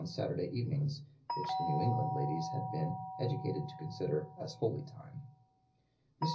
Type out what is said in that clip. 103) Saturday evenings, which the New England ladies had been "educated to consider as holy time." Mr.